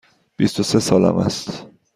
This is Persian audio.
بیست و سه سالم است.